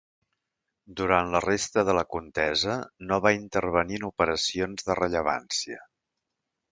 Durant la resta de la contesa no va intervenir en operacions de rellevància.